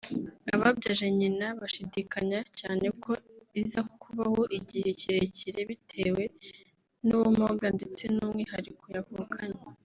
Ababyaje nyina bashidikanya cyane ko iza kubaho igihe kirekire bitewe n’ubumuga ndetse n’umwihariko yavukanye